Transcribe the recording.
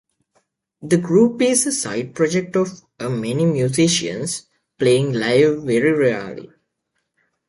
The group is a side project of many musicians, playing live very rarely.